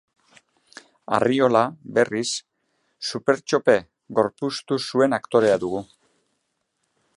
Arriola, berriz, Supertxope gorpuztu zuen aktorea dugu.